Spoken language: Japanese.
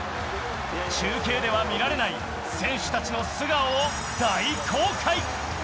中継では見られない選手たちの素顔を大公開。